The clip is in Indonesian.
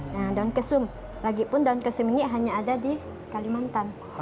nah daun kesum lagi pun daun kesum ini hanya ada di kalimantan